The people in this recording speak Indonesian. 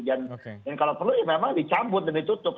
dan kalau perlu memang dicampur dan ditutup